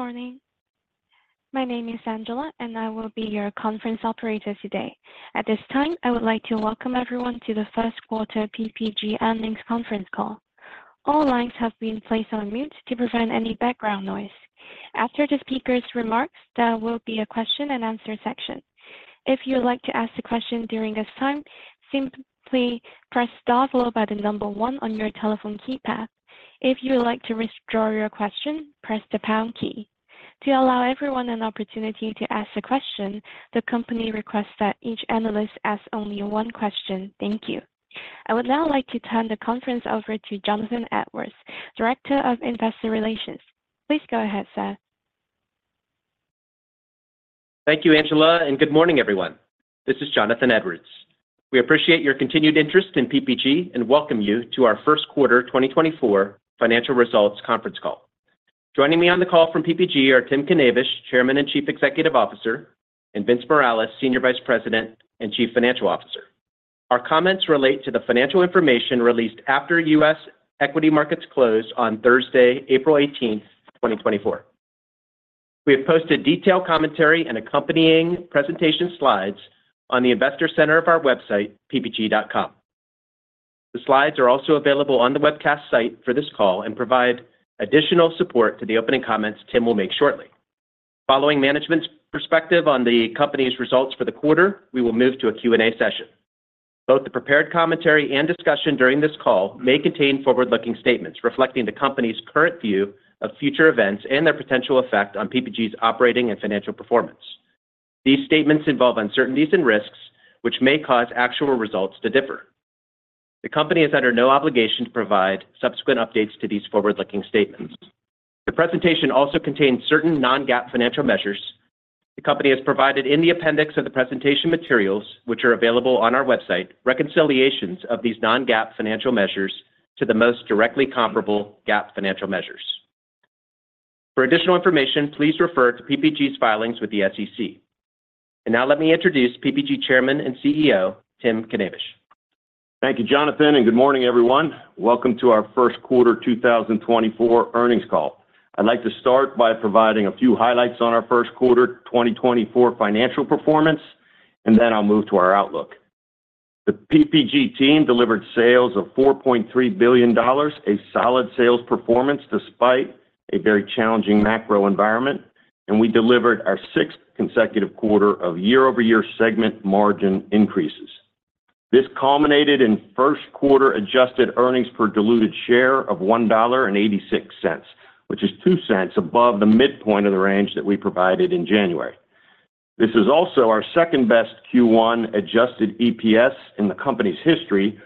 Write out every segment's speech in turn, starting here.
Good morning. My name is Angela, and I will be your conference operator today. At this time, I would like to welcome everyone to the First Quarter PPG Earnings Conference Call. All lines have been placed on mute to prevent any background noise. After the speaker's remarks, there will be a question-and-answer section. If you would like to ask a question during this time, simply press star followed by the number one on your telephone keypad. If you would like to withdraw your question, press the pound key. To allow everyone an opportunity to ask a question, the company requests that each analyst ask only one question. Thank you. I would now like to turn the conference over to Jonathan Edwards, Director of Investor Relations. Please go ahead, sir. Thank you, Angela, and good morning, everyone. This is Jonathan Edwards. We appreciate your continued interest in PPG and welcome you to our First Quarter 2024 Financial Results Conference Call. Joining me on the call from PPG are Tim Knavish, Chairman and Chief Executive Officer, and Vince Morales, Senior Vice President and Chief Financial Officer. Our comments relate to the financial information released after U.S. equity markets closed on Thursday, April 18th, 2024. We have posted detailed commentary and accompanying presentation slides on the investor center of our website, ppg.com. The slides are also available on the webcast site for this call and provide additional support to the opening comments Tim will make shortly. Following management's perspective on the company's results for the quarter, we will move to a Q&A session. Both the prepared commentary and discussion during this call may contain forward-looking statements reflecting the company's current view of future events and their potential effect on PPG's operating and financial performance. These statements involve uncertainties and risks which may cause actual results to differ. The company is under no obligation to provide subsequent updates to these forward-looking statements. The presentation also contains certain non-GAAP financial measures. The company has provided in the appendix of the presentation materials, which are available on our website, reconciliations of these non-GAAP financial measures to the most directly comparable GAAP financial measures. For additional information, please refer to PPG's filings with the SEC. Now let me introduce PPG Chairman and CEO, Tim Knavish. Thank you, Jonathan, and good morning, everyone. Welcome to our First Quarter 2024 Earnings Call. I'd like to start by providing a few highlights on our first quarter 2024 financial performance, and then I'll move to our outlook. The PPG team delivered sales of $4.3 billion, a solid sales performance despite a very challenging macro environment, and we delivered our sixth consecutive quarter of year-over-year segment margin increases. This culminated in first quarter adjusted earnings per diluted share of $1.86, which is $0.02 above the midpoint of the range that we provided in January. This is also our second-best Q1 adjusted EPS in the company's history,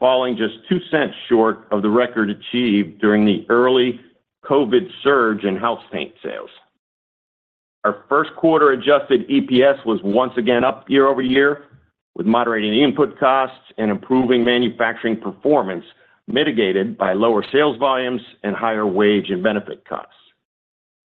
falling just $0.02 short of the record achieved during the early COVID surge in house paint sales. Our first quarter adjusted EPS was once again up year-over-year, with moderating input costs and improving manufacturing performance, mitigated by lower sales volumes and higher wage and benefit costs.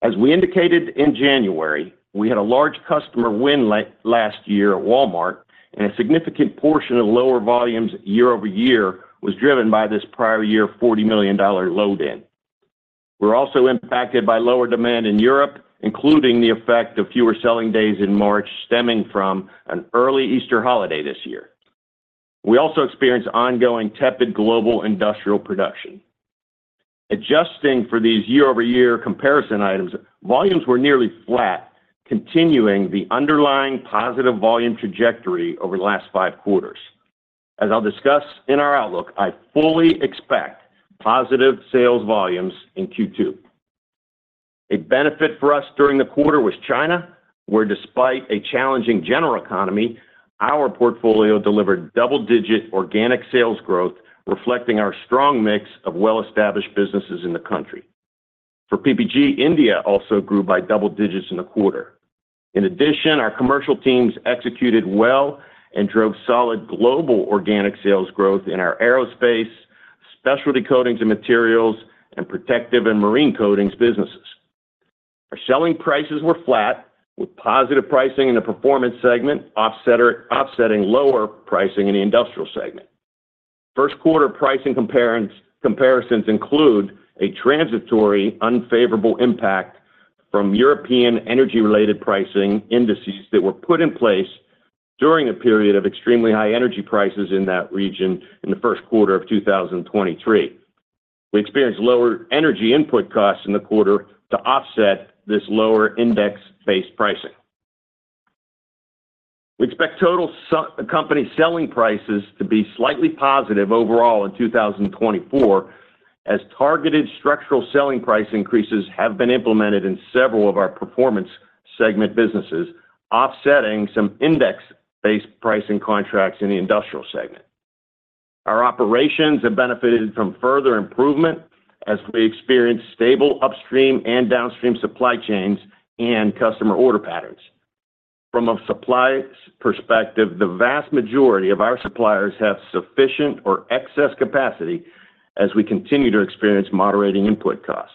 As we indicated in January, we had a large customer win last year at Walmart, and a significant portion of lower volumes year-over-year was driven by this prior year $40 million load-in. We're also impacted by lower demand in Europe, including the effect of fewer selling days in March, stemming from an early Easter holiday this year. We also experienced ongoing tepid global Industrial production. Adjusting for these year-over-year comparison items, volumes were nearly flat, continuing the underlying positive volume trajectory over the last five quarters. As I'll discuss in our outlook, I fully expect positive sales volumes in Q2. A benefit for us during the quarter was China, where despite a challenging general economy, our portfolio delivered double-digit organic sales growth, reflecting our strong mix of well-established businesses in the country. For PPG, India also grew by double digits in the quarter. In addition, our commercial teams executed well and drove solid global organic sales growth in our aerospace, specialty coatings and materials, and protective and marine coatings businesses. Our selling prices were flat, with positive pricing in the performance segment, offsetting lower pricing in the Industrial segment. First quarter pricing comparisons include a transitory, unfavorable impact from European energy-related pricing indices that were put in place during a period of extremely high energy prices in that region in the first quarter of 2023. We experienced lower energy input costs in the quarter to offset this lower index-based pricing. We expect total company selling prices to be slightly positive overall in 2024, as targeted structural selling price increases have been implemented in several of our performance segment businesses, offsetting some index-based pricing contracts in the Industrial segment. Our operations have benefited from further improvement as we experienced stable upstream and downstream supply chains and customer order patterns. From a supply perspective, the vast majority of our suppliers have sufficient or excess capacity as we continue to experience moderating input costs.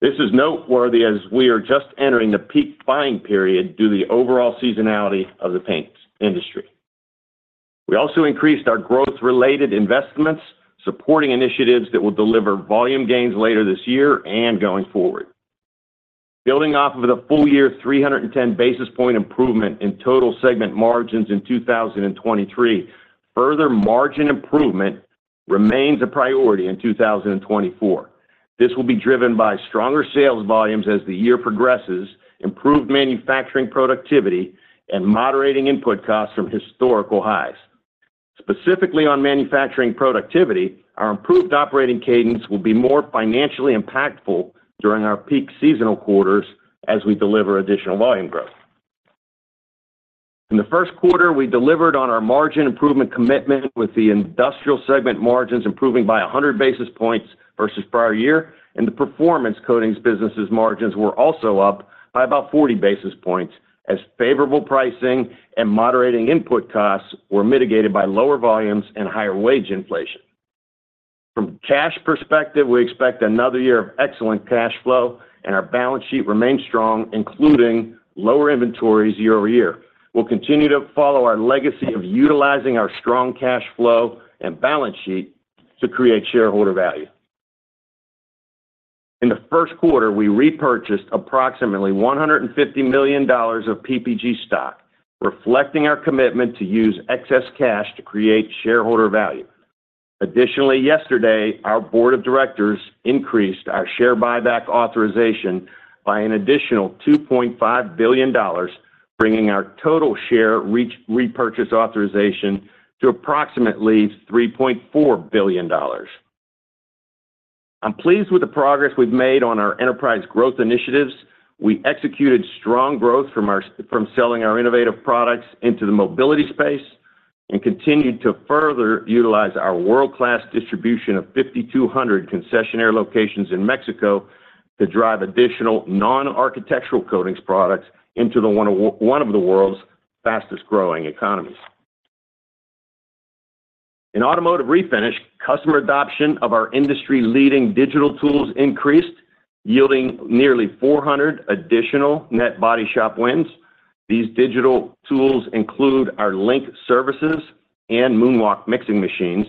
This is noteworthy as we are just entering the peak buying period due to the overall seasonality of the paints industry. We also increased our growth-related investments, supporting initiatives that will deliver volume gains later this year and going forward. Building off of the full year 310 basis point improvement in total segment margins in 2023, further margin improvement remains a priority in 2024. This will be driven by stronger sales volumes as the year progresses, improved manufacturing productivity, and moderating input costs from historical highs. Specifically on manufacturing productivity, our improved operating cadence will be more financially impactful during our peak seasonal quarters as we deliver additional volume growth. In the first quarter, we delivered on our margin improvement commitment with the Industrial segment margins improving by 100 basis points versus prior year, and the Performance Coatings businesses margins were also up by about 40 basis points, as favorable pricing and moderating input costs were mitigated by lower volumes and higher wage inflation. From a cash perspective, we expect another year of excellent cash flow, and our balance sheet remains strong, including lower inventories year-over-year. We'll continue to follow our legacy of utilizing our strong cash flow and balance sheet to create shareholder value. In the first quarter, we repurchased approximately $150 million of PPG stock, reflecting our commitment to use excess cash to create shareholder value. Additionally, yesterday, our Board of Directors increased our share buyback authorization by an additional $2.5 billion, bringing our total share repurchase authorization to approximately $3.4 billion. I'm pleased with the progress we've made on our enterprise growth initiatives. We executed strong growth from selling our innovative products into the mobility space and continued to further utilize our world-class distribution of 5,200 concessionaire locations in Mexico to drive additional non-architectural coatings products into one of the world's fastest-growing economies. In Automotive Refinish, customer adoption of our industry-leading digital tools increased, yielding nearly 400 additional net body shop wins. These digital tools include our LINQ services and MoonWalk mixing machines,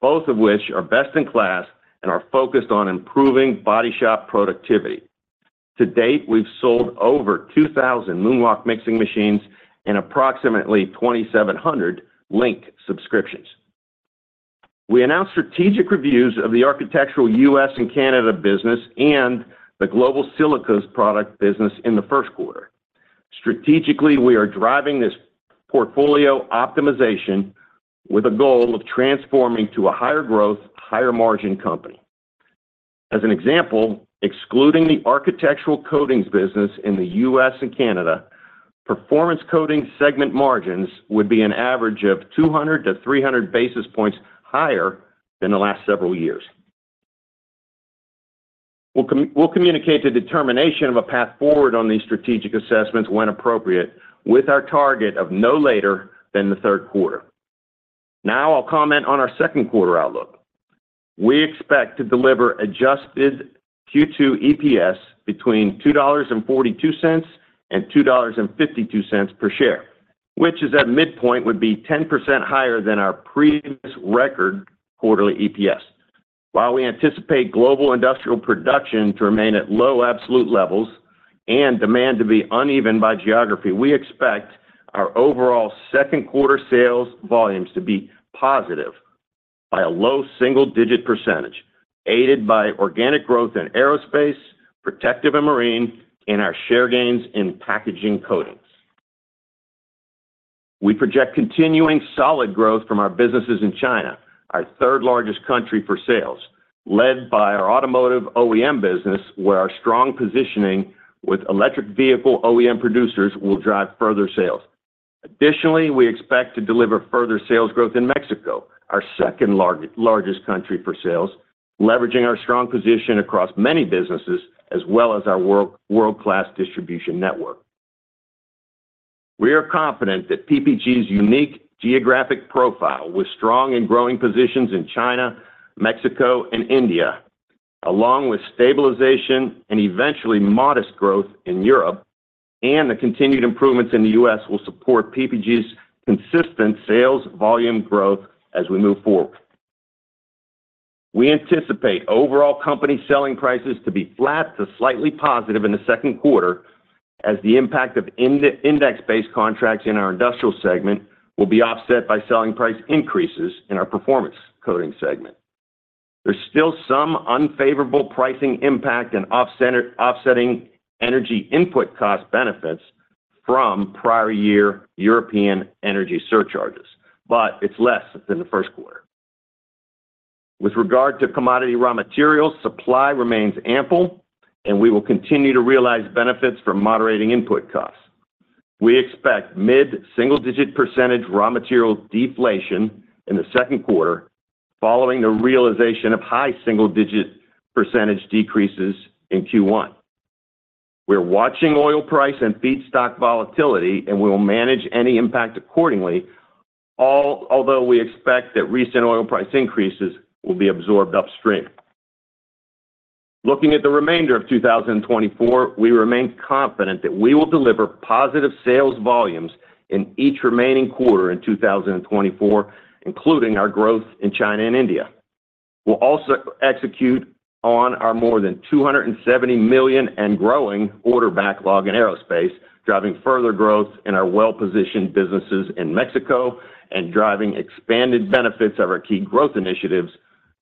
both of which are best in class and are focused on improving body shop productivity. To date, we've sold over 2,000 MoonWalk mixing machines and approximately 2,700 LINQ subscriptions. We announced strategic reviews of the Architectural U.S. and Canada business and the global Silica Products business in the first quarter. Strategically, we are driving this portfolio optimization with a goal of transforming to a higher growth, higher margin company. As an example, excluding the architectural coatings business in the U.S. and Canada, performance coating segment margins would be an average of 200-300 basis points higher than the last several years. We'll communicate the determination of a path forward on these strategic assessments when appropriate, with our target of no later than the third quarter. Now I'll comment on our second quarter outlook. We expect to deliver adjusted Q2 EPS between $2.42 and $2.52 per share, which is at midpoint, would be 10% higher than our previous record quarterly EPS. While we anticipate global industrial production to remain at low absolute levels and demand to be uneven by geography, we expect our overall second quarter sales volumes to be positive by a low single-digit percentage, aided by organic growth in aerospace, protective and marine, and our share gains in packaging coatings. We project continuing solid growth from our businesses in China, our third-largest country for sales, led by our Automotive OEM business, where our strong positioning with electric vehicle OEM producers will drive further sales. Additionally, we expect to deliver further sales growth in Mexico, our second largest country for sales, leveraging our strong position across many businesses, as well as our world-class distribution network. We are confident that PPG's unique geographic profile, with strong and growing positions in China, Mexico, and India, along with stabilization and eventually modest growth in Europe, and the continued improvements in the U.S., will support PPG's consistent sales volume growth as we move forward. We anticipate overall company selling prices to be flat to slightly positive in the second quarter as the impact of index-based contracts in our Industrial segment will be offset by selling price increases in our Performance Coatings segment. There's still some unfavorable pricing impact and offsetting energy input cost benefits from prior year European energy surcharges, but it's less than the first quarter. With regard to commodity raw materials, supply remains ample, and we will continue to realize benefits from moderating input costs. We expect mid-single-digit percentage raw material deflation in the second quarter, following the realization of high single-digit percentage decreases in Q1. We're watching oil price and feedstock volatility, and we will manage any impact accordingly, although we expect that recent oil price increases will be absorbed upstream. Looking at the remainder of 2024, we remain confident that we will deliver positive sales volumes in each remaining quarter in 2024, including our growth in China and India. We'll also execute on our more than $270 million and growing order backlog in aerospace, driving further growth in our well-positioned businesses in Mexico, and driving expanded benefits of our key growth initiatives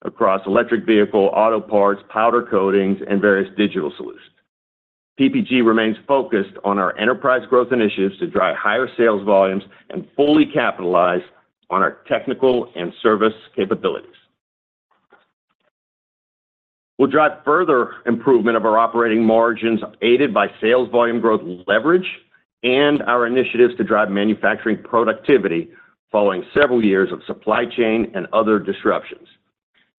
across electric vehicle, auto parts, powder coatings, and various digital solutions. PPG remains focused on our enterprise growth initiatives to drive higher sales volumes and fully capitalize on our technical and service capabilities. We'll drive further improvement of our operating margins, aided by sales volume growth leverage and our initiatives to drive manufacturing productivity following several years of supply chain and other disruptions.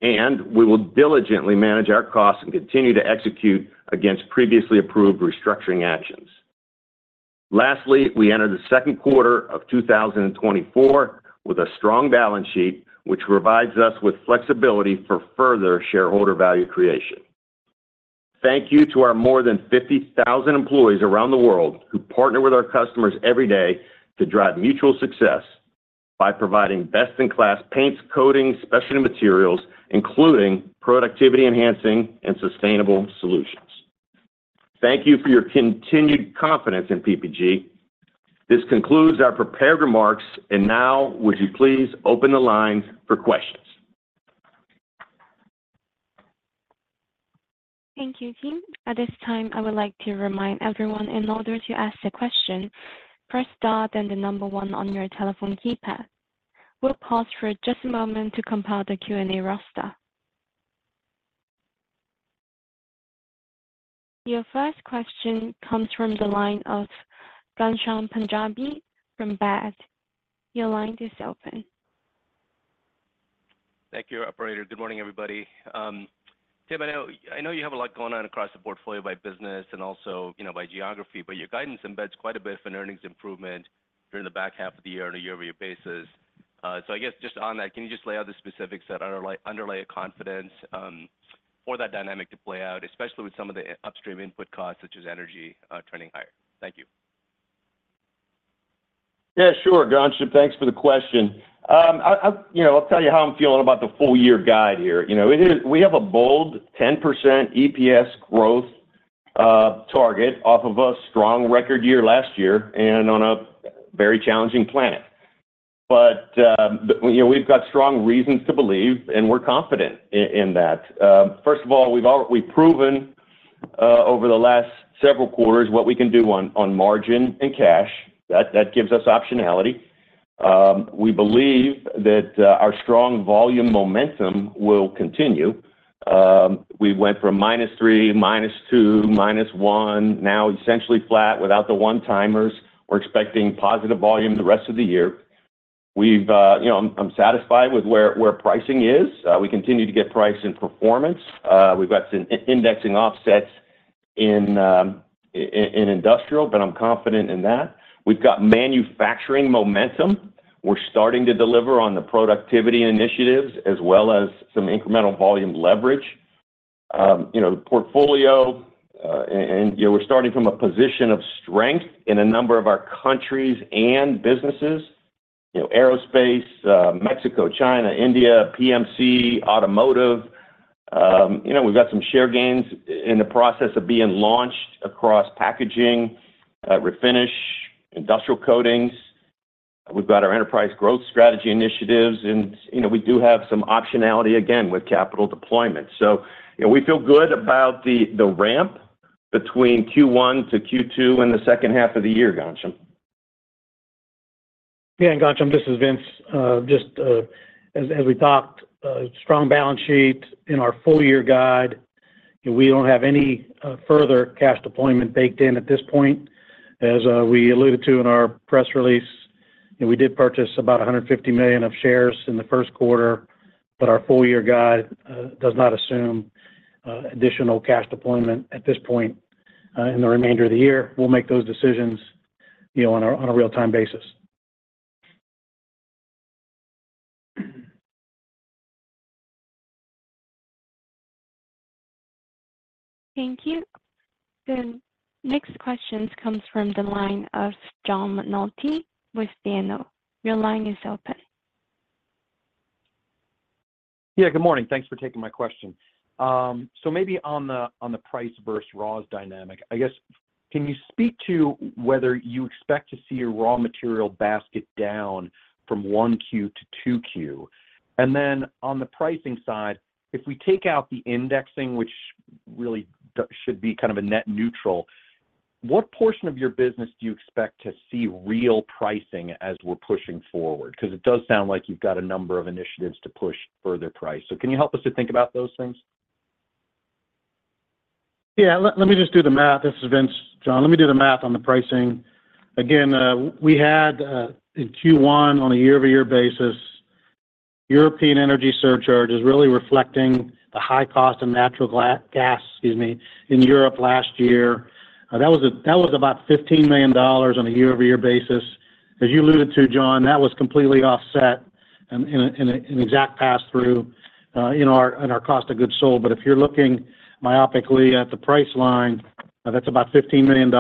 We will diligently manage our costs and continue to execute against previously approved restructuring actions. Lastly, we entered the second quarter of 2024 with a strong balance sheet, which provides us with flexibility for further shareholder value creation. Thank you to our more than 50,000 employees around the world who partner with our customers every day to drive mutual success by providing best-in-class paints, coatings, specialty materials, including productivity-enhancing and sustainable solutions. Thank you for your continued confidence in PPG. This concludes our prepared remarks, and now would you please open the lines for questions? Thank you, team. At this time, I would like to remind everyone, in order to ask a question, press star, then the number one on your telephone keypad. We'll pause for just a moment to compile the Q&A roster. Your first question comes from the line of Ghansham Panjabi from Baird. Your line is open. Thank you, operator. Good morning, everybody. Tim, I know, I know you have a lot going on across the portfolio by business and also, you know, by geography, but your guidance embeds quite a bit of an earnings improvement during the back half of the year on a year-over-year basis. So I guess just on that, can you just lay out the specifics that underlie a confidence for that dynamic to play out, especially with some of the upstream input costs, such as energy, turning higher? Thank you. Yeah, sure, Ghansham. Thanks for the question. You know, I'll tell you how I'm feeling about the full-year guide here. You know, it is—we have a bold 10% EPS growth target off of a strong record year last year and on a very challenging planet. But, you know, we've got strong reasons to believe, and we're confident in that. First of all, we've proven over the last several quarters what we can do on margin and cash. That gives us optionality. We believe that our strong volume momentum will continue. We went from minus three, minus two, minus one, now essentially flat without the one-timers. We're expecting positive volume the rest of the year. You know, I'm satisfied with where pricing is. We continue to get price and performance. We've got some indexing offsets in Industrial, but I'm confident in that. We've got manufacturing momentum. We're starting to deliver on the productivity initiatives as well as some incremental volume leverage. You know, the portfolio and, you know, we're starting from a position of strength in a number of our countries and businesses. You know, aerospace, Mexico, China, India, PMC, Automotive. You know, we've got some share gains in the process of being launched across packaging, Refinish, Industrial Coatings. We've got our enterprise growth strategy initiatives, and, you know, we do have some optionality again, with capital deployment. So, you know, we feel good about the ramp between Q1 to Q2 and the second half of the year, Ghansham. Yeah, and Ghansham, this is Vince. Just, as we talked, strong balance sheet in our full-year guide, and we don't have any further cash deployment baked in at this point. As we alluded to in our press release, and we did purchase about $150 million of shares in the first quarter, but our full-year guide does not assume additional cash deployment at this point in the remainder of the year. We'll make those decisions, you know, on a real-time basis. Thank you. The next question comes from the line of John McNulty with BMO. Your line is open. Yeah, good morning. Thanks for taking my question. So maybe on the price versus raws dynamic, I guess, can you speak to whether you expect to see your raw material basket down from 1Q to 2Q? And then on the pricing side, if we take out the indexing, which really should be kind of a net neutral, what portion of your business do you expect to see real pricing as we're pushing forward? Because it does sound like you've got a number of initiatives to push further price. So can you help us to think about those things? Yeah, let me just do the math. This is Vince. John, let me do the math on the pricing. Again, we had in Q1 on a year-over-year basis, European energy surcharge is really reflecting the high cost of natural gas, excuse me, in Europe last year. That was about $15 million on a year-over-year basis. As you alluded to, John, that was completely offset and an exact pass-through in our cost of goods sold. But if you're looking myopically at the price line, that's about $15 million,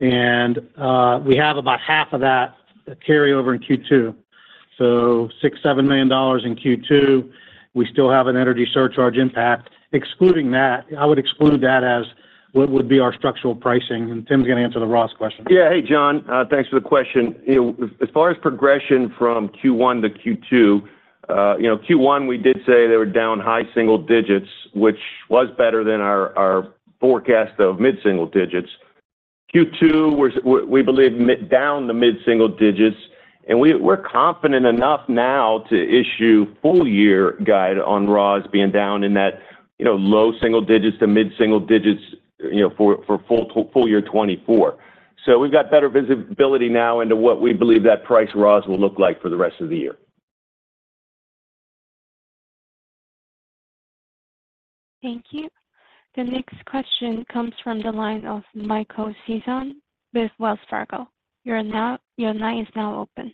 and we have about half of that carry over in Q2. So $6 million-$7 million in Q2, we still have an energy surcharge impact. Excluding that, I would exclude that as what would be our structural pricing, and Tim's gonna answer the raw question. Yeah. Hey, John, thanks for the question. You know, as far as progression from Q1 to Q2, you know, Q1, we did say they were down high single digits, which was better than our forecast of mid-single digits. Q2, we're down mid-single digits, and we're confident enough now to issue full year guide on raws being down in that, you know, low single digits to mid-single digits, you know, for full year 2024. So we've got better visibility now into what we believe that price raws will look like for the rest of the year. Thank you. The next question comes from the line of Michael Sison with Wells Fargo. Your line is now open.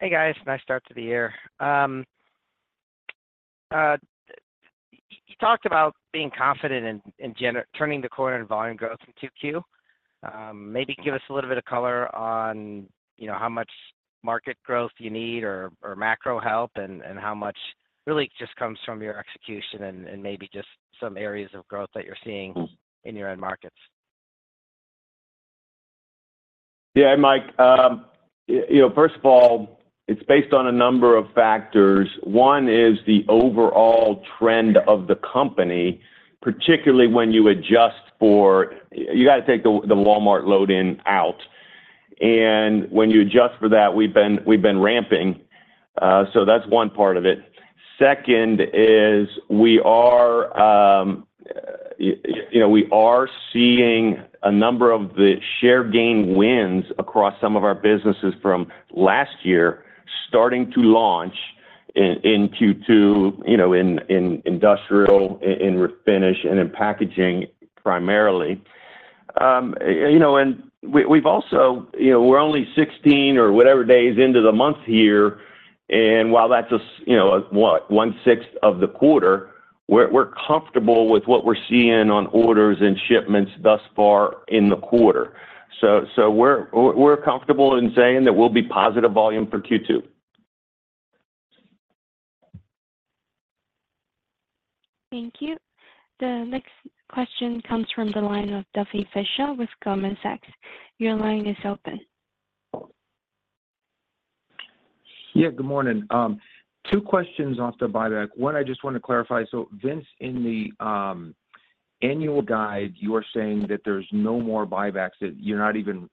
Hey, guys. Nice start to the year. You talked about being confident in turning the corner in volume growth in Q2. Maybe give us a little bit of color on, you know, how much market growth you need or macro help, and how much really just comes from your execution and maybe just some areas of growth that you're seeing in your own markets. Yeah, Mike. You know, first of all, it's based on a number of factors. One is the overall trend of the company, particularly when you adjust for. You gotta take the Walmart load in out, and when you adjust for that, we've been ramping, so that's one part of it. Second is we are, you know, we are seeing a number of the share gain wins across some of our businesses from last year starting to launch in Q2, you know, in Industrial, in Refinish and in packaging, primarily. You know, and we've also. You know, we're only 16 or whatever days into the month here, and while that's a, you know, 1/6 of the quarter, we're comfortable with what we're seeing on orders and shipments thus far in the quarter. So, we're comfortable in saying that we'll be positive volume for Q2. Thank you. The next question comes from the line of Duffy Fischer with Goldman Sachs. Your line is open. Yeah, good morning. Two questions off the buyback. One, I just want to clarify: so Vince, in the annual guide, you are saying that there's no more buybacks, that you're not even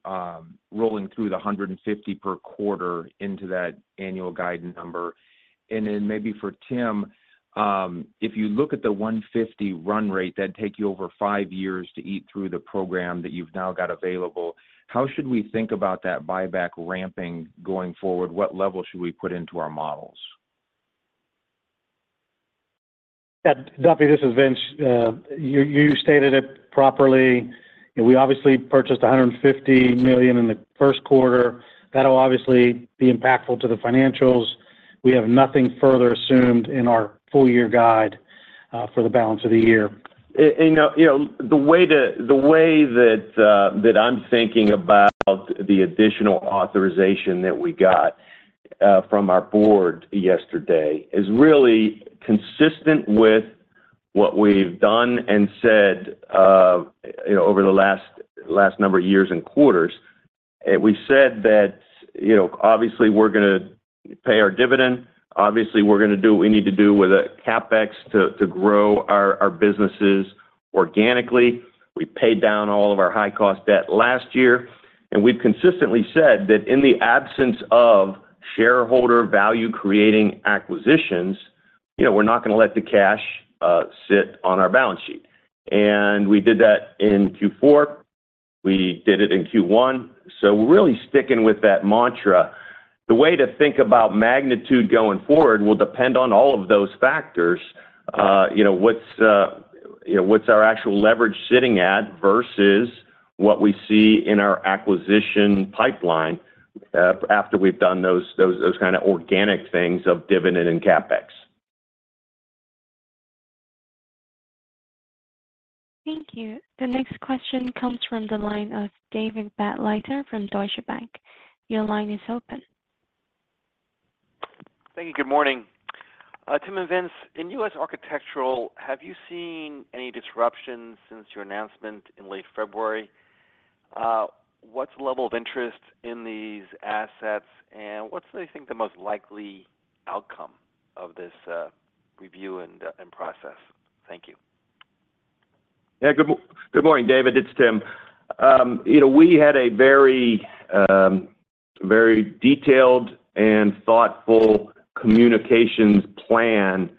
rolling through the $150 million per quarter into that annual guidance number. And then maybe for Tim, if you look at the $150 million run rate, that'd take you over five years to eat through the program that you've now got available. How should we think about that buyback ramping going forward? What level should we put into our models? Yeah, Duffy, this is Vince. You stated it properly. You know, we obviously purchased $150 million in the first quarter. That'll obviously be impactful to the financials. We have nothing further assumed in our full year guide for the balance of the year. You know, the way that I'm thinking about the additional authorization that we got from our board yesterday is really consistent with what we've done and said, you know, over the last number of years and quarters. We've said that, you know, obviously we're gonna pay our dividend. Obviously, we're gonna do what we need to do with the CapEx to grow our businesses organically. We paid down all of our high-cost debt last year, and we've consistently said that in the absence of shareholder value creating acquisitions, you know, we're not gonna let the cash sit on our balance sheet. We did that in Q4, we did it in Q1, so we're really sticking with that mantra. The way to think about magnitude going forward will depend on all of those factors. You know, what's our actual leverage sitting at versus what we see in our acquisition pipeline, after we've done those kind of organic things of dividend and CapEx? Thank you. The next question comes from the line of David Begleiter from Deutsche Bank. Your line is open. Thank you, good morning. Tim and Vince, in U.S. Architectural, have you seen any disruptions since your announcement in late February? What's the level of interest in these assets, and what do you think the most likely outcome of this review and process? Thank you. Yeah. Good morning, David. It's Tim. You know, we had a very, very detailed and thoughtful communications plan,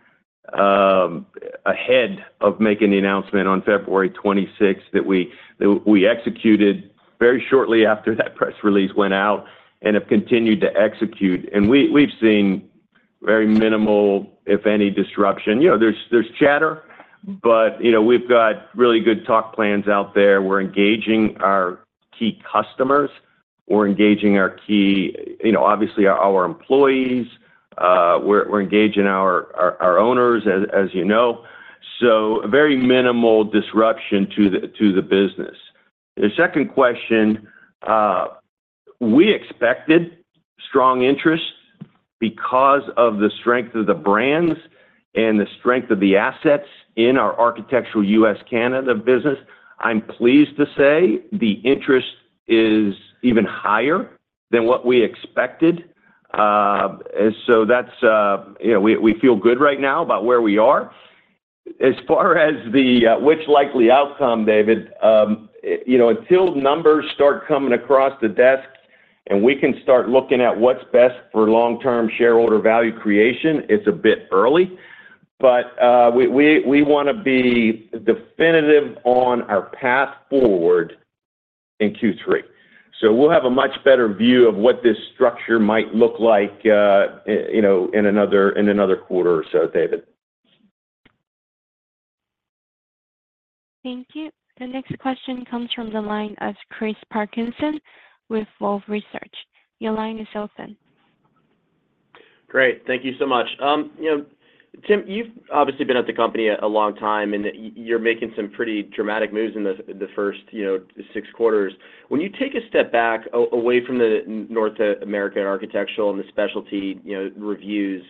ahead of making the announcement on February 26th, that we, that we executed very shortly after that press release went out and have continued to execute. And we, we've seen very minimal, if any, disruption. You know, there's, there's chatter, but, you know, we've got really good talk plans out there. We're engaging our key customers, we're engaging our key, you know, obviously, our, our employees, we're, we're engaging our, our, our owners, as, as you know, so very minimal disruption to the, to the business. The second question, we expected strong interest because of the strength of the brands and the strength of the assets in our Architectural U.S., Canada business. I'm pleased to say the interest is even higher than what we expected. And so that's, you know, we, we feel good right now about where we are. As far as the, which likely outcome, David, you know, until numbers start coming across the desk and we can start looking at what's best for long-term shareholder value creation, it's a bit early. But, we, we, we wanna be definitive on our path forward in Q3. So we'll have a much better view of what this structure might look like, you know, in another, in another quarter or so, David. Thank you. The next question comes from the line of Chris Parkinson with Wolfe Research. Your line is open. Great. Thank you so much. You know, Tim, you've obviously been at the company a long time, and you're making some pretty dramatic moves in the first six quarters. When you take a step back away from the North American Architectural and the Specialty reviews,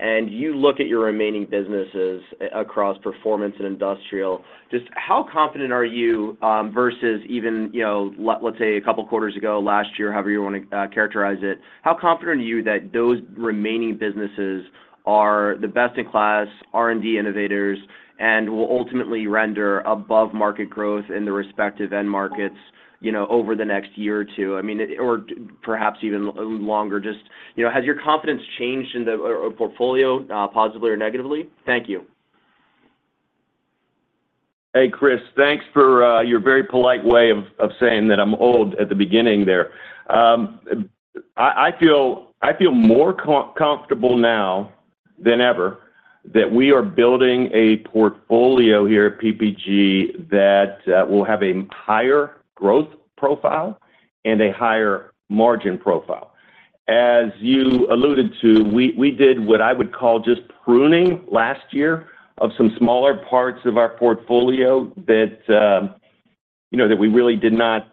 and you look at your remaining businesses across Performance and Industrial, just how confident are you versus even, you know, let's say, a couple of quarters ago, last year, however you wanna characterize it? How confident are you that those remaining businesses are the best-in-class R&D innovators and will ultimately render above-market growth in the respective end markets, you know, over the next year or two, I mean, or perhaps even a little longer? Just, you know, has your confidence changed in the portfolio positively or negatively? Thank you. Hey, Chris, thanks for your very polite way of saying that I'm old at the beginning there. I feel more comfortable now than ever that we are building a portfolio here at PPG that will have a higher growth profile and a higher margin profile. As you alluded to, we did what I would call just pruning last year of some smaller parts of our portfolio that you know we really did not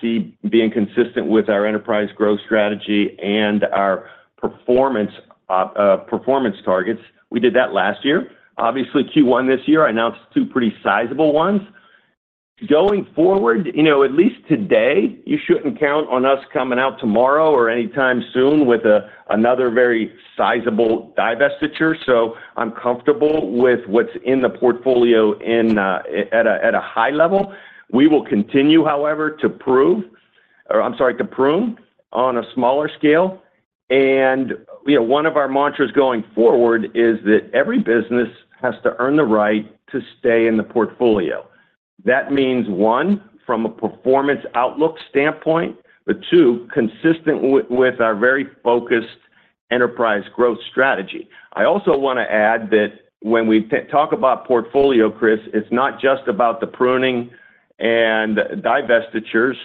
see being consistent with our enterprise growth strategy and our performance targets. We did that last year. Obviously, Q1 this year, I announced two pretty sizable ones. Going forward, you know, at least today, you shouldn't count on us coming out tomorrow or anytime soon with another very sizable divestiture. So I'm comfortable with what's in the portfolio at a high level. We will continue, however, to prove, or I'm sorry, to prune on a smaller scale. And, you know, one of our mantras going forward is that every business has to earn the right to stay in the portfolio. That means, one, from a performance outlook standpoint, but two, consistent with our very focused enterprise growth strategy. I also wanna add that when we talk about portfolio, Chris, it's not just about the pruning and divestitures,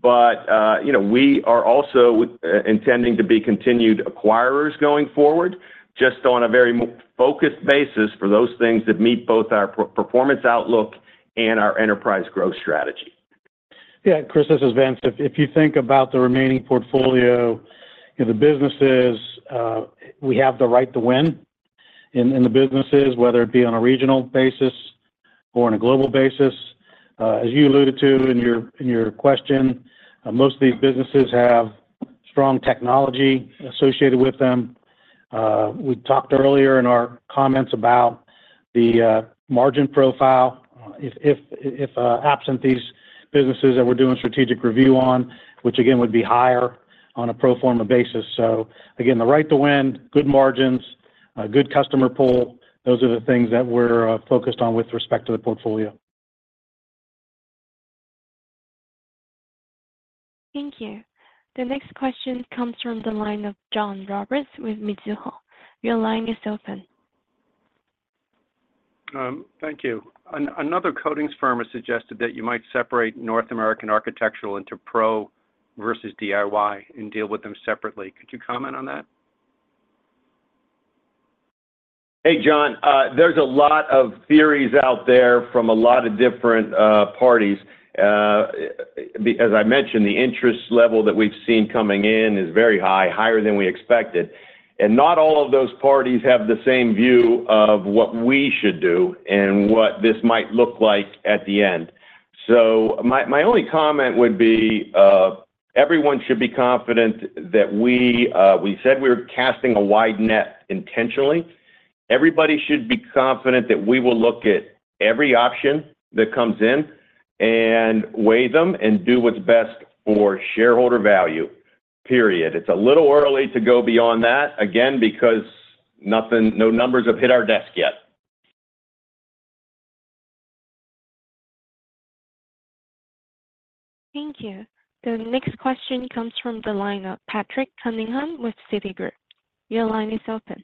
but, you know, we are also intending to be continued acquirers going forward, just on a very focused basis for those things that meet both our performance outlook and our enterprise growth strategy. Yeah, Chris, this is Vince. If you think about the remaining portfolio, you know, the businesses we have the right to win in the businesses, whether it be on a regional basis or on a global basis. As you alluded to in your question, most of these businesses have strong technology associated with them. We talked earlier in our comments about the margin profile, if absent these businesses that we're doing strategic review on, which again, would be higher on a pro forma basis. So again, the right to win, good margins, good customer pull, those are the things that we're focused on with respect to the portfolio. Thank you. The next question comes from the line of John Roberts with Mizuho. Your line is open. Thank you. Another coatings firm has suggested that you might separate North American Architectural into pro versus DIY and deal with them separately. Could you comment on that? Hey, John, there's a lot of theories out there from a lot of different parties. As I mentioned, the interest level that we've seen coming in is very high, higher than we expected, and not all of those parties have the same view of what we should do and what this might look like at the end. So my only comment would be, everyone should be confident that we said we were casting a wide net intentionally. Everybody should be confident that we will look at every option that comes in and weigh them, and do what's best for shareholder value, period. It's a little early to go beyond that, again, because nothing, no numbers have hit our desk yet. Thank you. The next question comes from the line of Patrick Cunningham with Citigroup. Your line is open.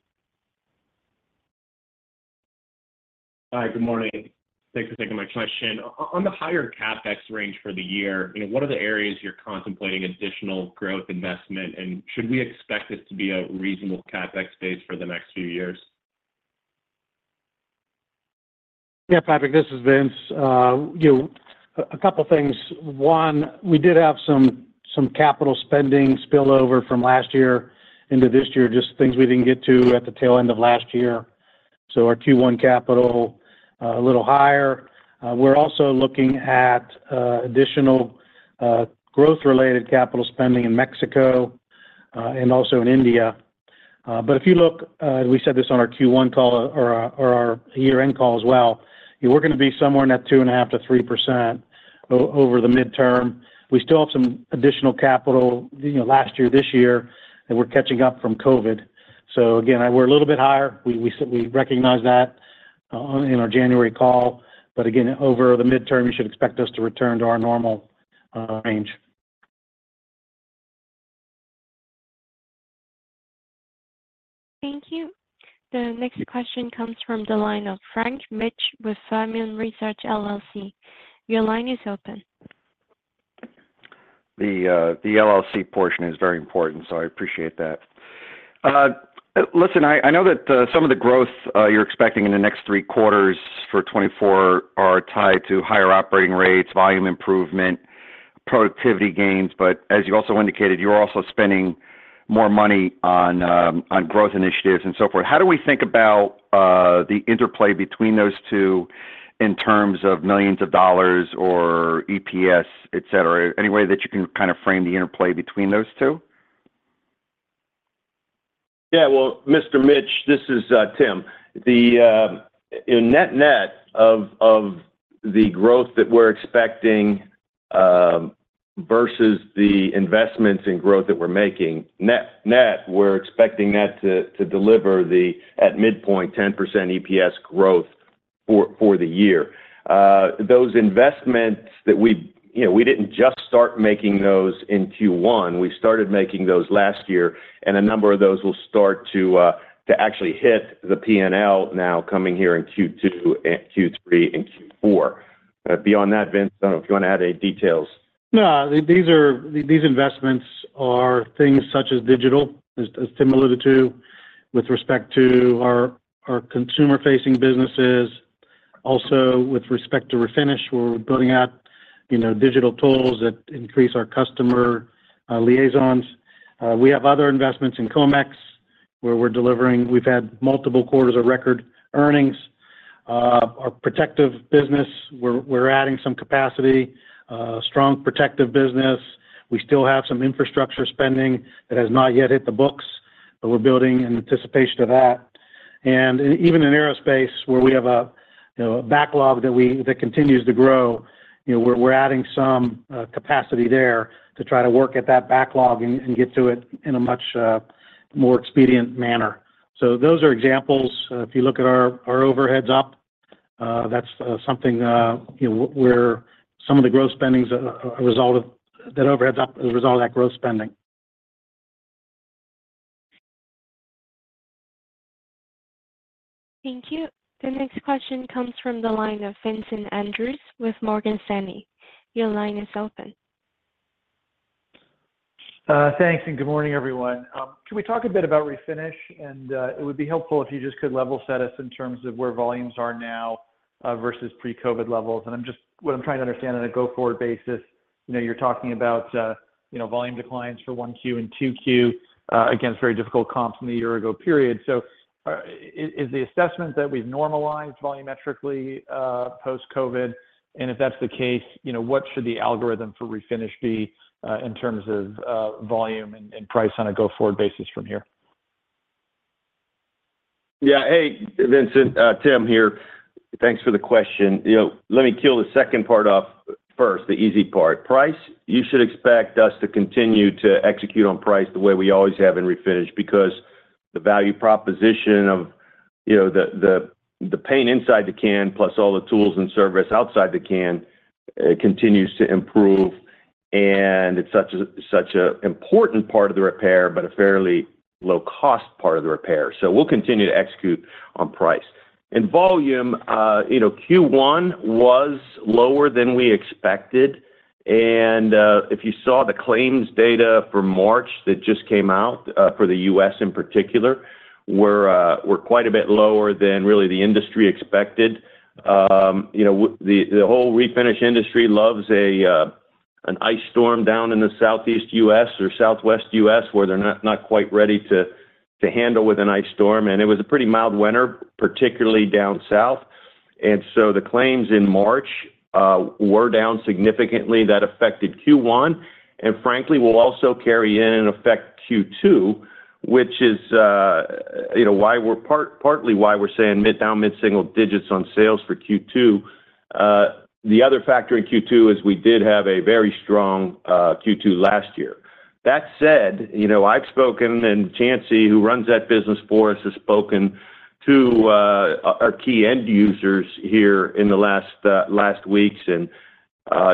Hi, good morning. Thanks for taking my question. On the higher CapEx range for the year, you know, what are the areas you're contemplating additional growth investment? And should we expect this to be a reasonable CapEx base for the next few years? Yeah, Patrick, this is Vince. You know, a couple things. One, we did have some capital spending spillover from last year into this year, just things we didn't get to at the tail end of last year. So our Q1 capital a little higher. We're also looking at additional growth-related capital spending in Mexico and also in India. But if you look, we said this on our Q1 call, or our year-end call as well, we're gonna be somewhere in that 2.5%-3% over the midterm. We still have some additional capital, you know, last year, this year, and we're catching up from COVID. So again, we're a little bit higher. We recognized that in our January call, but again, over the midterm, you should expect us to return to our normal range. Thank you. The next question comes from the line of Frank Mitsch with Fermium Research LLC. Your line is open. The LLC portion is very important, so I appreciate that. Listen, I know that some of the growth you're expecting in the next three quarters for 2024 are tied to higher operating rates, volume improvement, productivity gains, but as you also indicated, you're also spending more money on growth initiatives and so forth. How do we think about the interplay between those two in terms of millions of dollars or EPS, et cetera? Any way that you can kind of frame the interplay between those two? Yeah, well, Mr. Mitsch, this is, Tim. The net-net of the growth that we're expecting, versus the investments in growth that we're making, net-net, we're expecting that to deliver at midpoint 10% EPS growth for the year. Those investments that we. You know, we didn't just start making those in Q1, we started making those last year, and a number of those will start to actually hit the P&L now coming here in Q2 and Q3 and Q4. Beyond that, Vince, I don't know if you want to add any details. No, these are these investments are things such as digital, as Tim alluded to, with respect to our consumer-facing businesses. Also, with respect to Refinish, we're building out, you know, digital tools that increase our customer liaisons. We have other investments in Comex, where we're delivering, we've had multiple quarters of record earnings. Our Protective business, we're adding some capacity, strong Protective business. We still have some infrastructure spending that has not yet hit the books, but we're building in anticipation of that. And even in aerospace, where we have a, you know, a backlog that continues to grow, you know, we're adding some capacity there to try to work at that backlog and get to it in a much more expedient manner. So those are examples. If you look at our our overheads up, that's something you know where some of the growth spendings are are a result of that overheads up as a result of that growth spending. Thank you. The next question comes from the line of Vincent Andrews with Morgan Stanley. Your line is open. Thanks, and good morning, everyone. Can we talk a bit about Refinish? And, it would be helpful if you just could level set us in terms of where volumes are now, versus pre-COVID levels. And I'm just, what I'm trying to understand on a go-forward basis, you know, you're talking about, you know, volume declines for 1Q and 2Q, against very difficult comps from the year ago period. So, is the assessment that we've normalized volumetrically, post-COVID? And if that's the case, you know, what should the algorithm for Refinish be, in terms of volume and price on a go-forward basis from here? Yeah. Hey, Vincent, Tim here. Thanks for the question. You know, let me kill the second part off first, the easy part. Price, you should expect us to continue to execute on price the way we always have in Refinish, because the value proposition of, you know, the paint inside the can, plus all the tools and service outside the can, continues to improve, and it's such a, such a important part of the repair, but a fairly low-cost part of the repair. So we'll continue to execute on price. And volume, you know, Q1 was lower than we expected, and, if you saw the claims data for March that just came out, for the U.S. in particular, we're quite a bit lower than really the industry expected. You know, the whole Refinish industry loves a ice storm down in the Southeast U.S. or Southwest U.S., where they're not quite ready to handle with an ice storm, and it was a pretty mild winter, particularly down south. And so the claims in March were down significantly. That affected Q1, and frankly, will also carry in and affect Q2, which is, you know, partly why we're saying mid-down, mid-single digits on sales for Q2. The other factor in Q2 is we did have a very strong Q2 last year. That said, you know, I've spoken, and Chancey, who runs that business for us, has spoken to our key end users here in the last weeks, and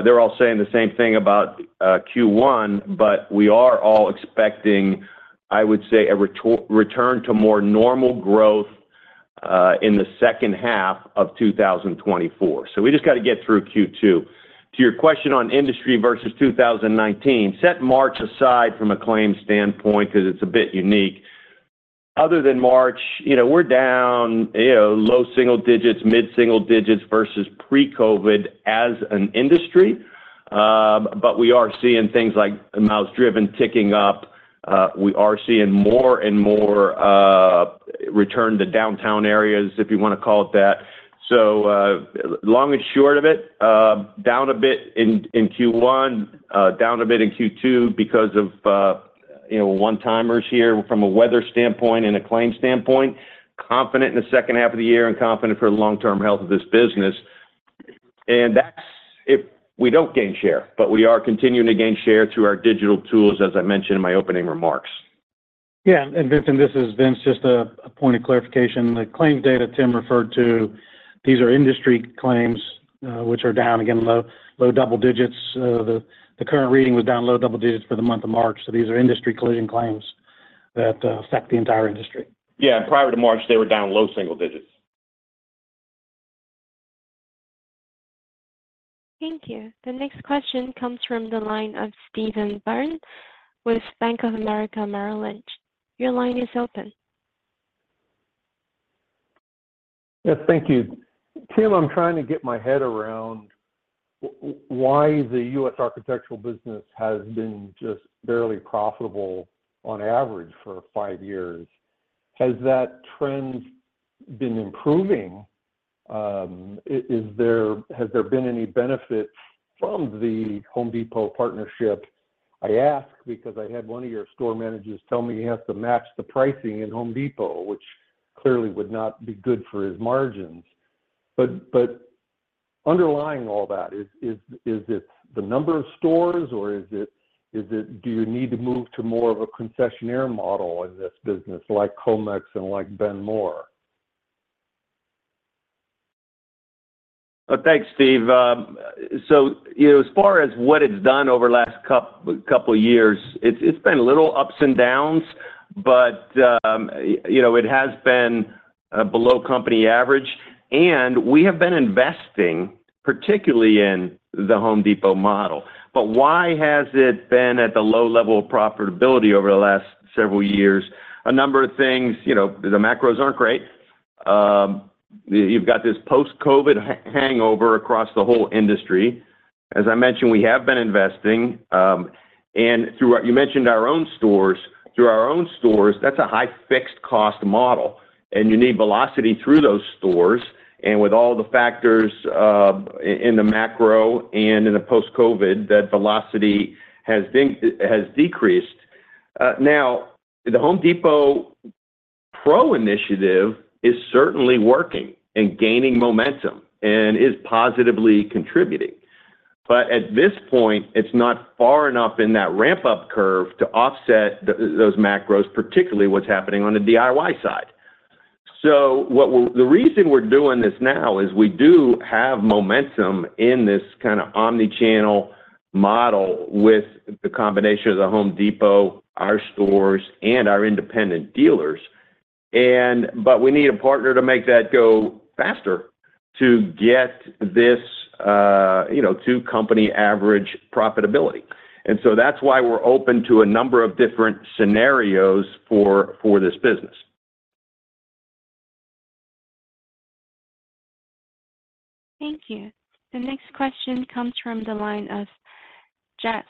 they're all saying the same thing about Q1. But we are all expecting, I would say, a return to more normal growth in the second half of 2024. So we just got to get through Q2. To your question on industry versus 2019, set March aside from a claim standpoint, 'cause it's a bit unique. Other than March, you know, we're down, you know, low single digits, mid-single digits versus pre-COVID as an industry. But we are seeing things like miles driven ticking up. We are seeing more and more return to downtown areas, if you wanna call it that. So long and short of it, down a bit in Q1, down a bit in Q2 because of, you know, one-timers here from a weather standpoint and a claim standpoint. Confident in the second half of the year and confident for the long-term health of this business, and that's if we don't gain share, but we are continuing to gain share through our digital tools, as I mentioned in my opening remarks. Yeah, and Vincent, this is Vince. Just a point of clarification. The claims data Tim referred to, these are industry claims, which are down, again, low double digits. The current reading was down low double digits for the month of March, so these are industry collision claims that affect the entire industry. Yeah, prior to March, they were down low single digits. Thank you. The next question comes from the line of Steve Byrne with Bank of America Merrill Lynch. Your line is open. Yes, thank you. Tim, I'm trying to get my head around why the U.S. architectural business has been just barely profitable on average for five years. Has that trend been improving? Has there been any benefits from the Home Depot partnership? I ask because I had one of your store managers tell me he has to match the pricing in Home Depot, which clearly would not be good for his margins. But underlying all that, is it the number of stores, or is it—do you need to move to more of a concessionaire model in this business, like Comex and like Benjamin Moore? Thanks, Steve. So, you know, as far as what it's done over the last couple years, it's been little ups and downs, but you know, it has been below company average, and we have been investing, particularly in the Home Depot model. But why has it been at the low level of profitability over the last several years? A number of things. You know, the macros aren't great. You've got this post-COVID hangover across the whole industry. As I mentioned, we have been investing. You mentioned our own stores. Through our own stores, that's a high fixed cost model, and you need velocity through those stores, and with all the factors in the macro and in the post-COVID, that velocity has decreased. Now, The Home Depot Pro initiative is certainly working and gaining momentum and is positively contributing. But at this point, it's not far enough in that ramp-up curve to offset the, those macros, particularly what's happening on the DIY side. So the reason we're doing this now is we do have momentum in this kind of omni-channel model with the combination of The Home Depot, our stores, and our independent dealers. But we need a partner to make that go faster to get this, you know, to company average profitability. And so that's why we're open to a number of different scenarios for this business. Thank you. The next question comes from the line of Jeff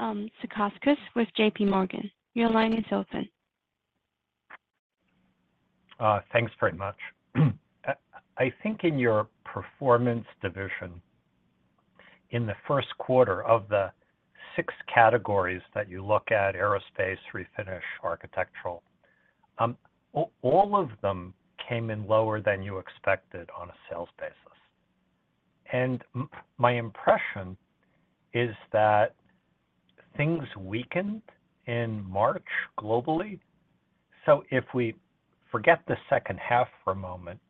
Zekauskas with JPMorgan. Your line is open. Thanks very much. I think in your performance division, in the first quarter of the six categories that you look at, aerospace, Refinish, architectural, all of them came in lower than you expected on a sales basis. And my impression is that things weakened in March globally. So if we forget the second half for a moment,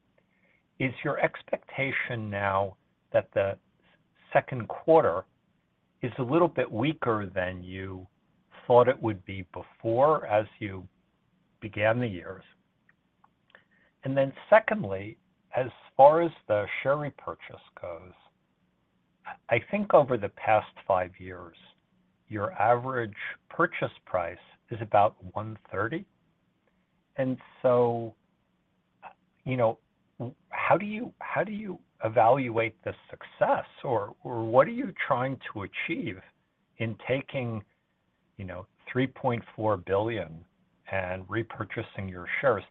is your expectation now that the second quarter is a little bit weaker than you thought it would be before, as you began the years? And then secondly, as far as the share repurchase goes, I think over the past five years, your average purchase price is about $130. And so, you know, how do you, how do you evaluate the success or, or what are you trying to achieve in taking, you know, $3.4 billion and repurchasing your shares?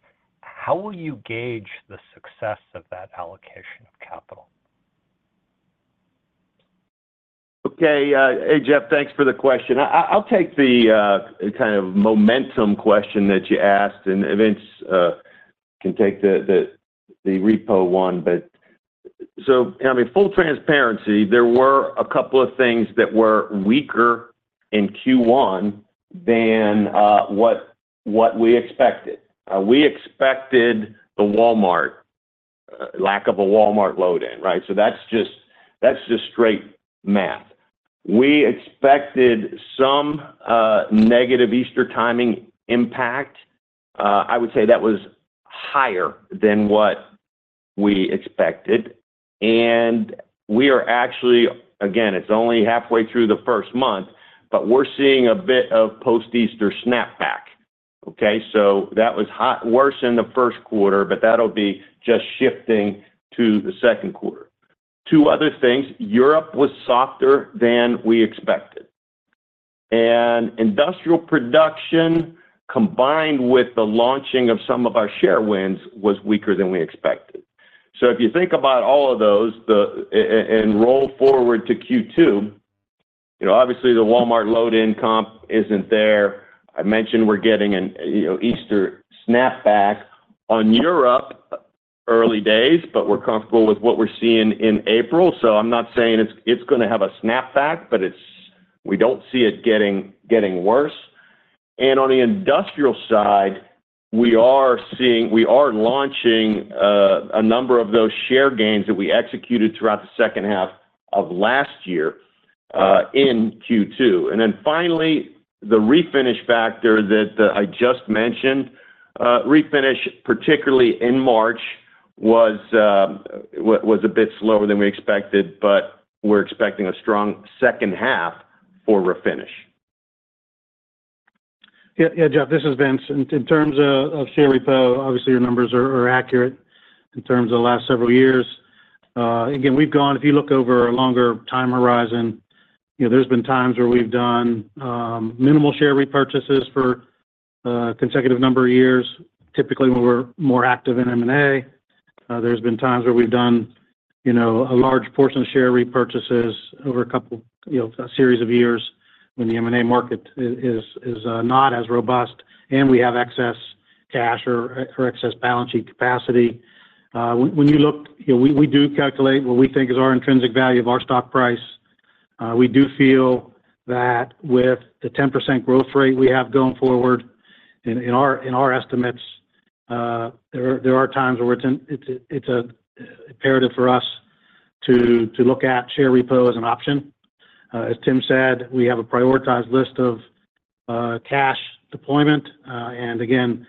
How will you gauge the success of that allocation of capital? Okay, hey, Jeff, thanks for the question. I, I'll take the kind of momentum question that you asked, and Vince can take the repo one. But. So, I mean, full transparency, there were a couple of things that were weaker in Q1 than what we expected. We expected the Walmart lack of a Walmart load-in, right? So that's just, that's just straight math. We expected some negative Easter timing impact. I would say that was higher than what we expected, and we are actually, again, it's only halfway through the first month, but we're seeing a bit of post-Easter snapback, okay? So that was worse in the first quarter, but that'll be just shifting to the second quarter. Two other things, Europe was softer than we expected, and industrial production, combined with the launching of some of our share wins, was weaker than we expected. So if you think about all of those, and roll forward to Q2, you know, obviously, the Walmart load-in comp isn't there. I mentioned we're getting a you know, Easter snapback. On Europe, early days, but we're comfortable with what we're seeing in April, so I'm not saying it's gonna have a snapback, but it's we don't see it getting worse. And on the Industrial side, we are seeing we are launching a number of those share gains that we executed throughout the second half of last year in Q2. And then finally, the Refinish factor that I just mentioned, Refinish, particularly in March, was a bit slower than we expected, but we're expecting a strong second half for Refinish. Yeah, yeah, Jeff, this is Vince. In terms of share repo, obviously, your numbers are accurate in terms of the last several years. Again, we've gone—if you look over a longer time horizon, you know, there's been times where we've done minimal share repurchases for a consecutive number of years, typically when we're more active in M&A. There's been times where we've done, you know, a large portion of share repurchases over a couple, you know, a series of years when the M&A market is, is not as robust and we have excess cash or excess balance sheet capacity. You know, we do calculate what we think is our intrinsic value of our stock price. We do feel that with the 10% growth rate we have going forward in our estimates, there are times where it's imperative for us to look at share repo as an option. As Tim said, we have a prioritized list of cash deployment, and again,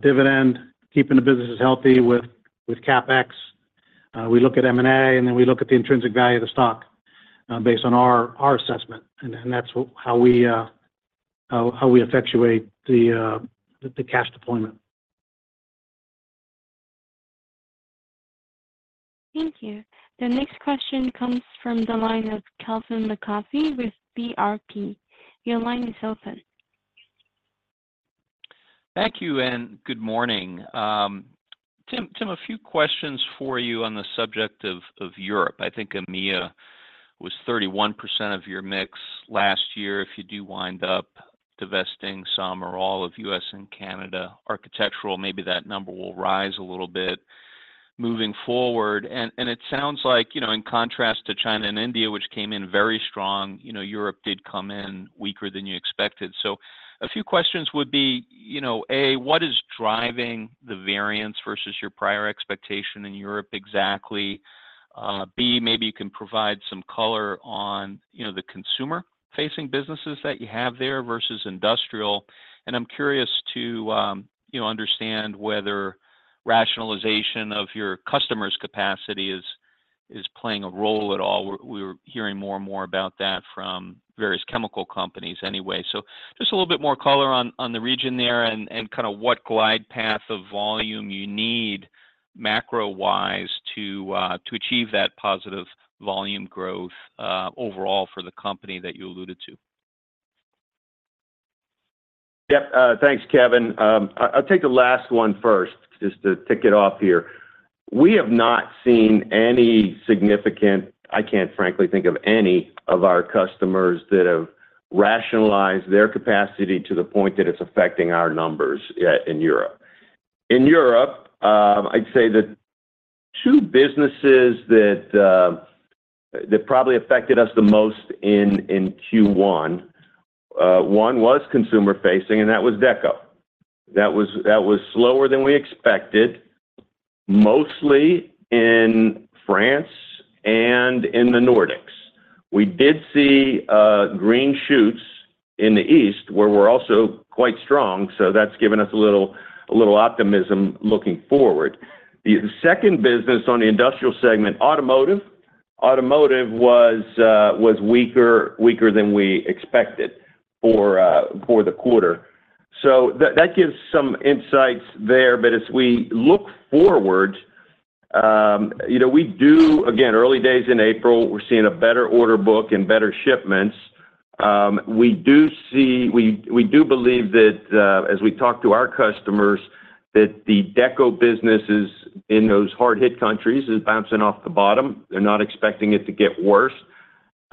dividend, keeping the businesses healthy with CapEx. We look at M&A, and then we look at the intrinsic value of the stock based on our assessment, and then that's how we effectuate the cash deployment. Thank you. The next question comes from the line of Kevin McCarthy with VRP. Your line is open. Thank you, and good morning. Tim, Tim, a few questions for you on the subject of Europe. I think EMEA was 31% of your mix last year. If you do wind up divesting some or all of U.S. and Canada Architectural, maybe that number will rise a little bit moving forward. And it sounds like, you know, in contrast to China and India, which came in very strong, you know, Europe did come in weaker than you expected. So a few questions would be, you know, A, what is driving the variance versus your prior expectation in Europe exactly? B, maybe you can provide some color on, you know, the consumer-facing businesses that you have there versus Industrial. And I'm curious to, you know, understand whether rationalization of your customers' capacity is playing a role at all. We're hearing more and more about that from various chemical companies anyway. So just a little bit more color on the region there and kind of what glide path of volume you need macro-wise to achieve that positive volume growth overall for the company that you alluded to. Yep. Thanks, Kevin. I'll take the last one first, just to tick it off here. We have not seen any significant. I can't frankly think of any of our customers that have rationalized their capacity to the point that it's affecting our numbers in Europe. In Europe, I'd say the two businesses that probably affected us the most in Q1, one was consumer facing, and that was Deco. That was slower than we expected, mostly in France and in the Nordics. We did see green shoots in the East, where we're also quite strong, so that's given us a little optimism looking forward. The second business on the Industrial segment, Automotive. Automotive was weaker than we expected for the quarter. So that gives some insights there. But as we look forward, you know, we do again, early days in April, we're seeing a better order book and better shipments. We do see we do believe that as we talk to our customers, that the Deco businesses in those hard-hit countries is bouncing off the bottom. They're not expecting it to get worse...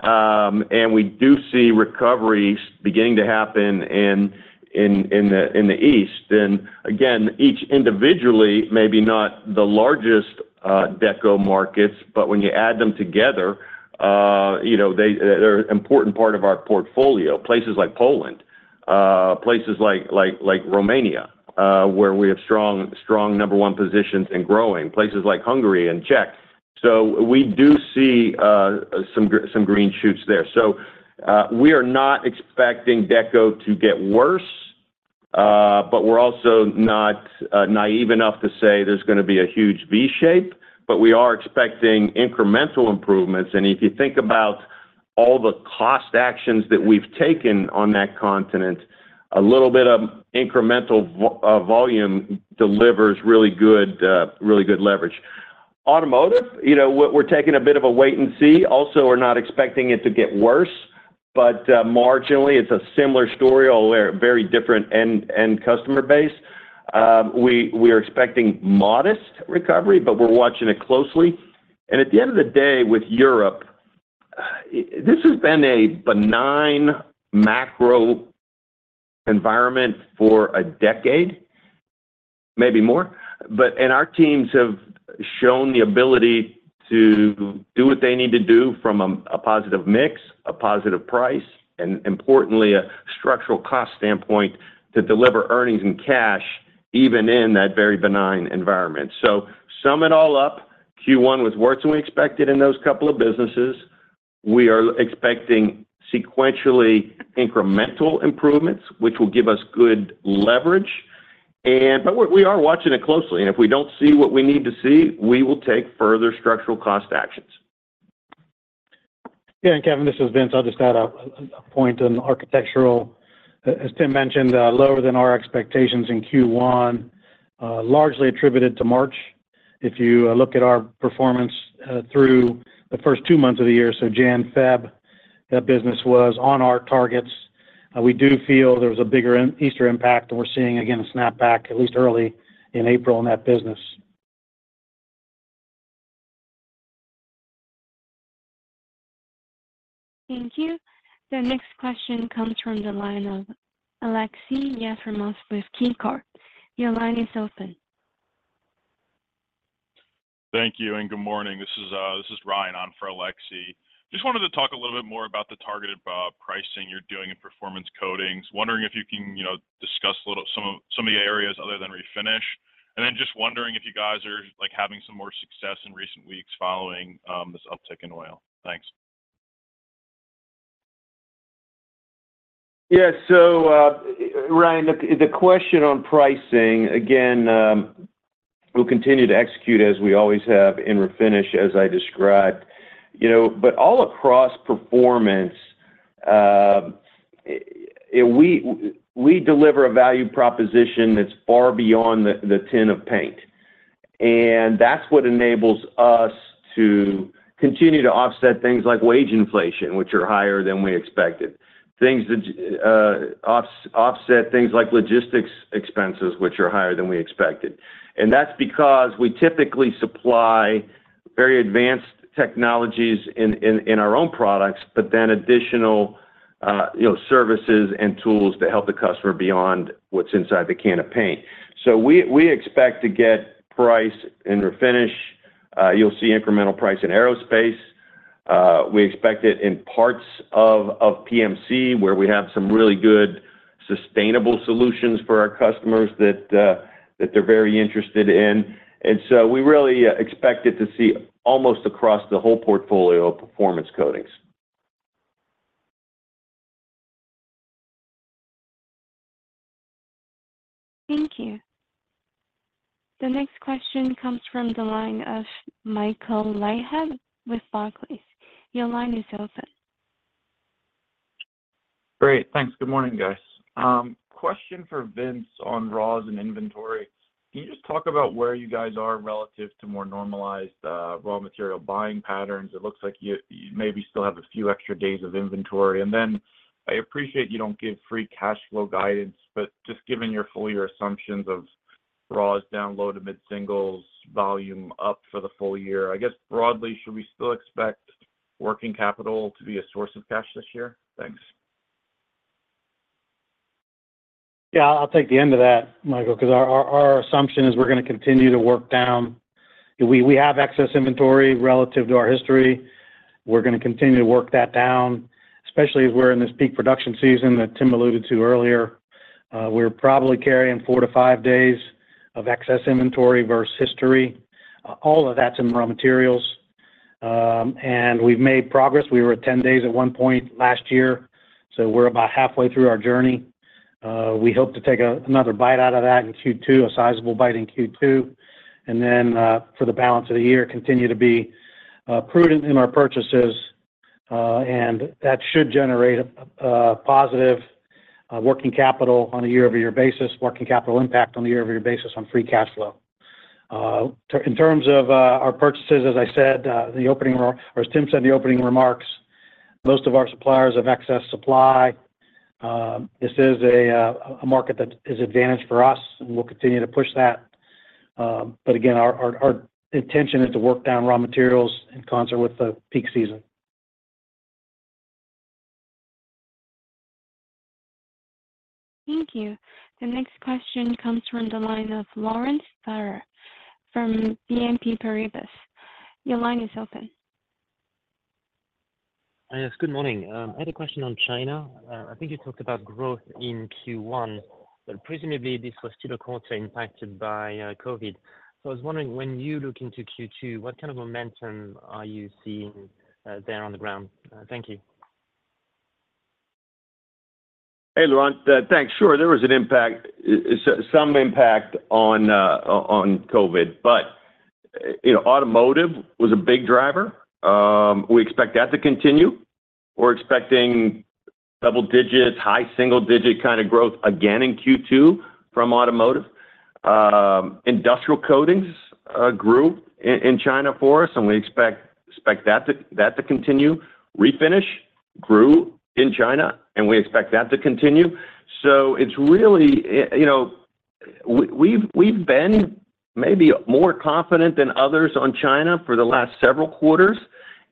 and we do see recoveries beginning to happen in the East. And again, each individually, maybe not the largest Deco markets, but when you add them together, you know, they're important part of our portfolio. Places like Poland, places like Romania, where we have strong, strong number one positions and growing, places like Hungary and Czech. So we do see some green shoots there. So, we are not expecting Deco to get worse, but we're also not naive enough to say there's gonna be a huge V shape, but we are expecting incremental improvements. And if you think about all the cost actions that we've taken on that continent, a little bit of incremental volume delivers really good, really good leverage. Automotive, you know, we're taking a bit of a wait and see. Also, we're not expecting it to get worse, but marginally, it's a similar story, although a very different end customer base. We are expecting modest recovery, but we're watching it closely. And at the end of the day, with Europe, this has been a benign macro environment for a decade, maybe more. But our teams have shown the ability to do what they need to do from a positive mix, a positive price, and importantly, a structural cost standpoint to deliver earnings and cash, even in that very benign environment. So sum it all up, Q1 was worse than we expected in those couple of businesses. We are expecting sequentially incremental improvements, which will give us good leverage. But we are watching it closely, and if we don't see what we need to see, we will take further structural cost actions. Yeah, Kevin, this is Vince. I'll just add a point on Architectural. As Tim mentioned, lower than our expectations in Q1, largely attributed to March. If you look at our performance through the first two months of the year, so January, February, that business was on our targets. We do feel there was a bigger Easter impact, and we're seeing, again, a snapback, at least early in April, in that business. Thank you. The next question comes from the line of Aleksey Yefremov with KeyCorp. Your line is open. Thank you, and good morning. This is Ryan on for Aleksey. Just wanted to talk a little bit more about the targeted pricing you're doing in Performance Coatings. Wondering if you can, you know, discuss a little some of the areas other than Refinish. And then just wondering if you guys are, like, having some more success in recent weeks following this uptick in oil. Thanks. Yeah. So, Ryan, the question on pricing, again, we'll continue to execute as we always have in Refinish, as I described. You know, but all across performance, we deliver a value proposition that's far beyond the tin of paint, and that's what enables us to continue to offset things like wage inflation, which are higher than we expected. Things that offset things like logistics expenses, which are higher than we expected. And that's because we typically supply very advanced technologies in our own products, but then additional, you know, services and tools to help the customer beyond what's inside the can of paint. So we expect to get price in Refinish. You'll see incremental price in Aerospace. We expect it in parts of PMC, where we have some really good sustainable solutions for our customers that they're very interested in. And so we really expect it to see almost across the whole portfolio of Performance Coatings. Thank you. The next question comes from the line of Michael Leithead with Barclays. Your line is open. Great. Thanks. Good morning, guys. Question for Vince on raws and inventory. Can you just talk about where you guys are relative to more normalized raw material buying patterns? It looks like you maybe still have a few extra days of inventory. And then I appreciate you don't give free cash flow guidance, but just given your full year assumptions of raws down low to mid-singles, volume up for the full year, I guess broadly, should we still expect working capital to be a source of cash this year? Thanks. Yeah, I'll take the end of that, Michael, 'cause our assumption is we're gonna continue to work down. We have excess inventory relative to our history. We're gonna continue to work that down, especially as we're in this peak production season that Tim alluded to earlier. We're probably carrying fpur to five days of excess inventory versus history. All of that's in raw materials, and we've made progress. We were at 10 days at one point last year, so we're about halfway through our journey. We hope to take another bite out of that in Q2, a sizable bite in Q2, and then, for the balance of the year, continue to be prudent in our purchases, and that should generate a positive working capital on a year-over-year basis, working capital impact on a year-over-year basis on free cash flow. In terms of our purchases, as I said, the opening or as Tim said in the opening remarks, most of our suppliers have excess supply. This is a market that is advantage for us, and we'll continue to push that. But again, our intention is to work down raw materials in concert with the peak season. Thank you. The next question comes from the line of Laurent Favre from BNP Paribas. Your line is open. Yes, good morning. I had a question on China. I think you talked about growth in Q1, but presumably, this was still a quarter impacted by COVID. So I was wondering, when you look into Q2, what kind of momentum are you seeing there on the ground? Thank you. Hey, Laurent. Thanks. Sure, there was an impact, so some impact on, on COVID, but, you know, Automotive was a big driver. We expect that to continue. We're expecting double digits, high single digit kind of growth again in Q2 from Automotive. Industrial Coatings grew in China for us, and we expect that to continue. Refinish grew in China, and we expect that to continue. So it's really, you know. We've been maybe more confident than others on China for the last several quarters,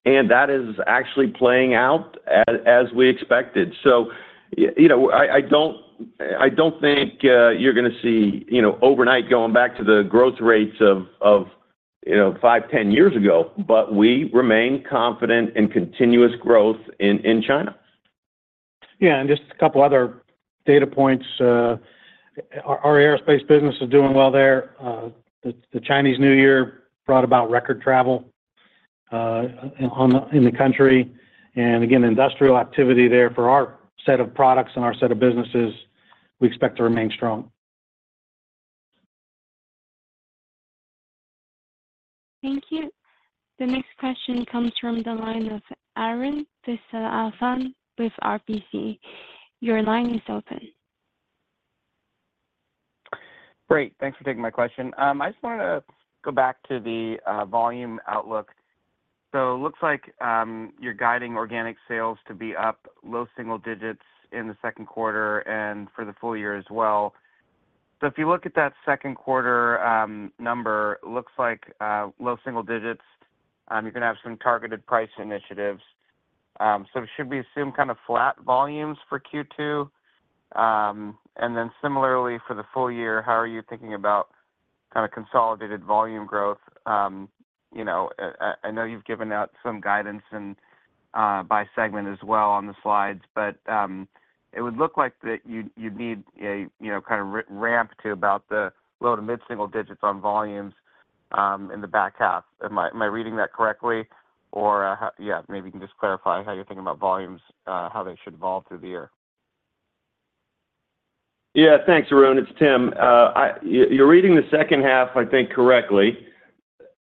and that is actually playing out as we expected. So, you know, I don't think you're gonna see, you know, overnight, going back to the growth rates of, you know, five, 10 years ago, but we remain confident in continuous growth in China. Yeah, and just a couple other data points. Our Aerospace business is doing well there. The Chinese New Year brought about record travel in the country. And again, industrial activity there for our set of products and our set of businesses, we expect to remain strong. Thank you. The next question comes from the line of Arun Viswanathan with RBC. Your line is open. Great, thanks for taking my question. I just wanted to go back to the volume outlook. So it looks like you're guiding organic sales to be up low single digits in the second quarter and for the full year as well. So if you look at that second quarter number, it looks like low single digits, you're gonna have some targeted price initiatives. So should we assume kind of flat volumes for Q2? And then similarly for the full year, how are you thinking about kinda consolidated volume growth? You know, I know you've given out some guidance and by segment as well on the slides, but it would look like that you'd need a, you know, kind of ramp to about the low to mid-single digits on volumes in the back half. Am I reading that correctly? Or, yeah, maybe you can just clarify how you're thinking about volumes, how they should evolve through the year. Yeah, thanks, Arun. It's Tim. You're reading the second half, I think, correctly.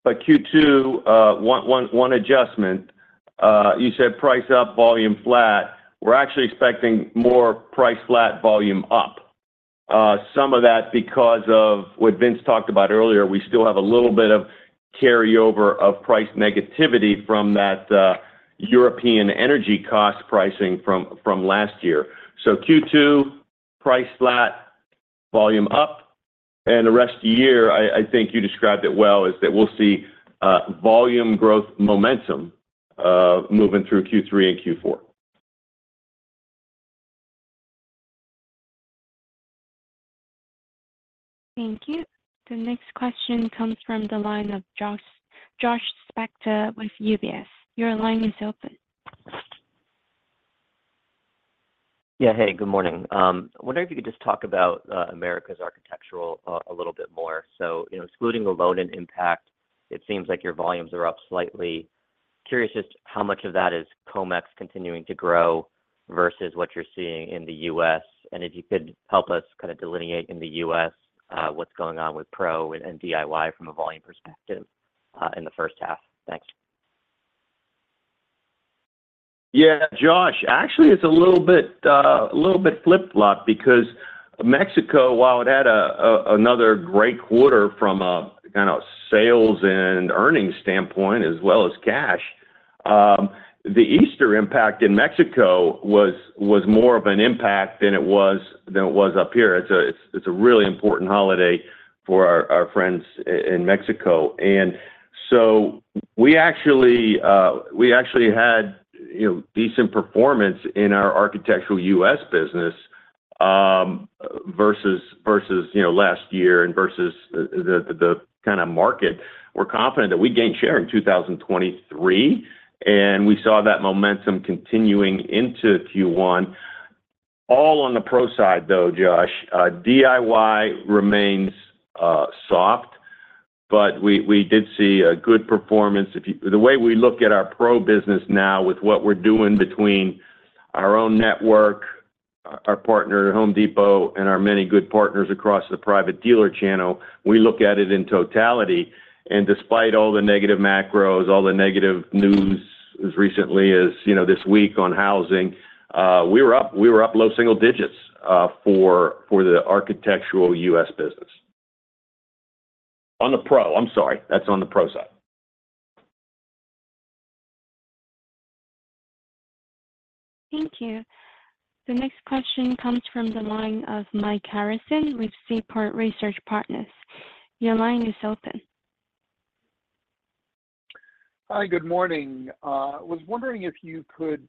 But Q2, one adjustment, you said price up, volume flat. We're actually expecting more price flat, volume up. Some of that, because of what Vince talked about earlier, we still have a little bit of carryover of price negativity from that, European energy cost pricing from last year. So Q2, price flat, volume up, and the rest of the year, I think you described it well, is that we'll see volume growth momentum moving through Q3 and Q4. Thank you. The next question comes from the line of Josh Spector with UBS. Your line is open. Yeah, hey, good morning. I wonder if you could just talk about Americas Architectural a little bit more. So, you know, excluding the load-in impact, it seems like your volumes are up slightly. Curious just how much of that is Comex continuing to grow versus what you're seeing in the U.S. And if you could help us kinda delineate in the U.S., what's going on with pro and DIY from a volume perspective in the first half. Thanks. Yeah, Josh, actually, it's a little bit flip-flop because Mexico, while it had another great quarter from a kind of sales and earnings standpoint, as well as cash, the Easter impact in Mexico was more of an impact than it was up here. It's a really important holiday for our friends in Mexico. And so we actually had, you know, decent performance in our Architectural U.S. business versus, you know, last year and versus the kinda market. We're confident that we gained share in 2023, and we saw that momentum continuing into Q1. All on the pro side, though, Josh. DIY remains soft, but we did see a good performance. The way we look at our pro business now with what we're doing between our own network, our partner, Home Depot, and our many good partners across the private dealer channel, we look at it in totality, and despite all the negative macros, all the negative news, as recently as, you know, this week on housing, we were up. We were up low single digits for the Architectural U.S. business. On the pro. I'm sorry, that's on the pro side. Thank you. The next question comes from the line of Mike Harrison with Seaport Research Partners. Your line is open. Hi, good morning. Was wondering if you could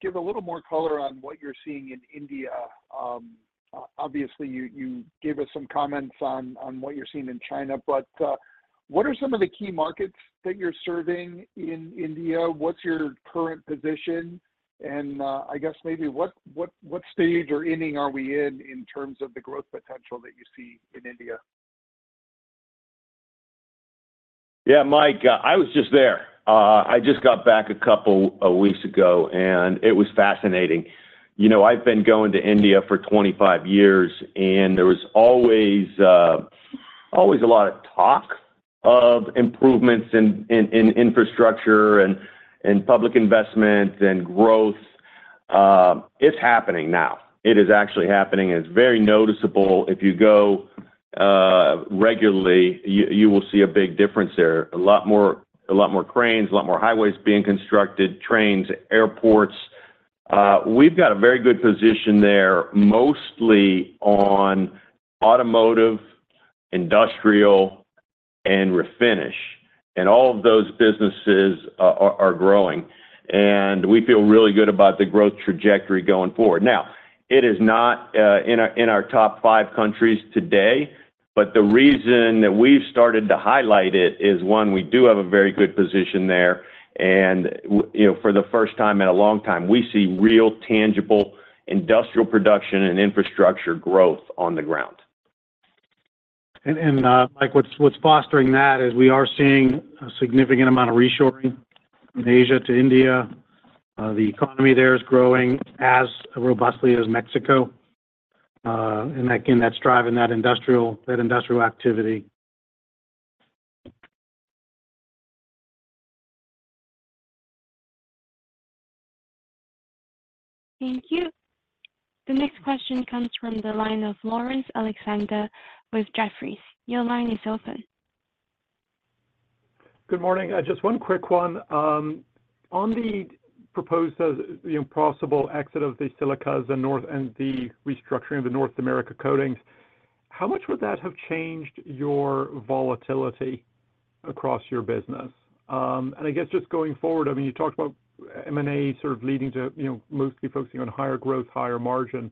give a little more color on what you're seeing in India. Obviously, you gave us some comments on what you're seeing in China, but what are some of the key markets that you're serving in India? What's your current position? And I guess maybe what stage or inning are we in, terms of the growth potential that you see in India? Yeah, Mike, I was just there. I just got back a couple of weeks ago, and it was fascinating. You know, I've been going to India for 25 years, and there was always, always a lot of talk of improvements in infrastructure and public investment and growth. It's happening now. It is actually happening, and it's very noticeable. If you go regularly, you will see a big difference there. A lot more, a lot more cranes, a lot more highways being constructed, trains, airports. We've got a very good position there, mostly on Automotive, Industrial, and Refinish. And all of those businesses are growing, and we feel really good about the growth trajectory going forward. Now, it is not in our top five countries today, but the reason that we've started to highlight it is, one, we do have a very good position there, and you know, for the first time in a long time, we see real, tangible industrial production and infrastructure growth on the ground. Like, what's fostering that is we are seeing a significant amount of reshoring from Asia to India. The economy there is growing as robustly as Mexico. And again, that's driving that industrial activity. Thank you. The next question comes from the line of Laurence Alexander with Jefferies. Your line is open. Good morning. Just one quick one. On the proposed, you know, possible exit of the Silicas and the restructuring of the North America coatings, how much would that have changed your volatility across your business? And I guess just going forward, I mean, you talked about M&A sort of leading to, you know, mostly focusing on higher growth, higher margin.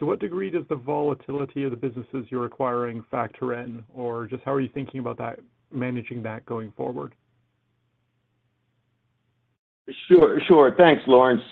To what degree does the volatility of the businesses you're acquiring factor in? Or just how are you thinking about that, managing that going forward? Sure, sure. Thanks, Laurence.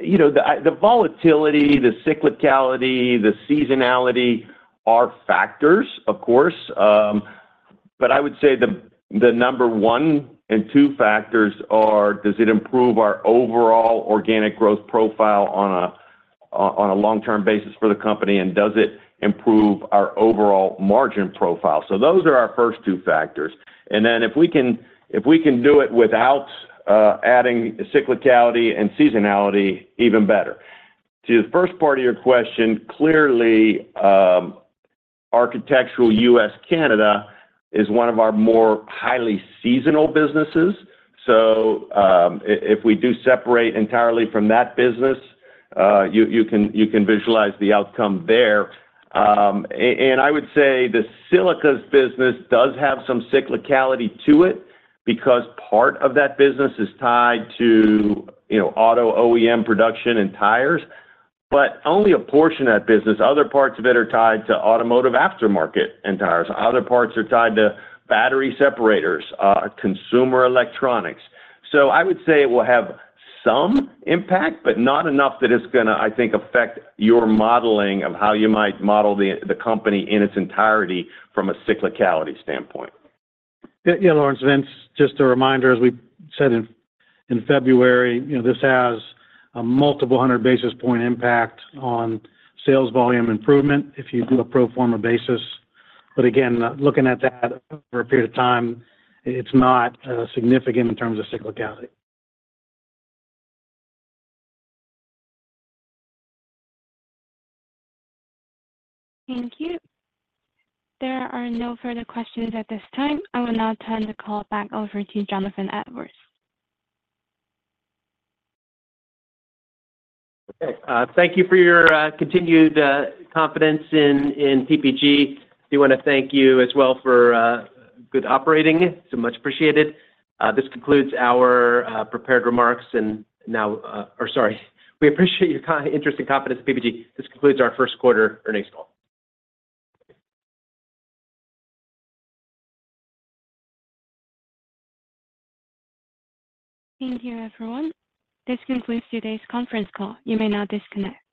You know, the, the volatility, the cyclicality, the seasonality are factors, of course, but I would say the, the number one and two factors are, does it improve our overall organic growth profile on a, on a long-term basis for the company, and does it improve our overall margin profile? So those are our first two factors. And then, if we can, if we can do it without, adding cyclicality and seasonality, even better. To the first part of your question, clearly, Architectural U.S., Canada is one of our more highly seasonal businesses, so, if we do separate entirely from that business, you, you can, you can visualize the outcome there. I would say the Silicas business does have some cyclicality to it because part of that business is tied to, you know, auto OEM production and tires, but only a portion of that business. Other parts of it are tied to Automotive aftermarket and tires. Other parts are tied to battery separators, consumer electronics. So I would say it will have some impact, but not enough that it's gonna, I think, affect your modeling of how you might model the, the company in its entirety from a cyclicality standpoint. Yeah, yeah, Laurence, Vince, just a reminder, as we said in February, you know, this has a multiple 100 basis point impact on sales volume improvement if you do a pro forma basis. But again, looking at that over a period of time, it's not significant in terms of cyclicality. Thank you. There are no further questions at this time. I will now turn the call back over to Jonathan Edwards. Okay, thank you for your continued confidence in PPG. We wanna thank you as well for good operating. It's much appreciated. This concludes our prepared remarks, and now. Or sorry. We appreciate your interest and confidence in PPG. This concludes our first quarter earnings call. Thank you, everyone. This concludes today's conference call. You may now disconnect.